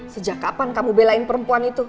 sejak kapan kamu belain perempuan itu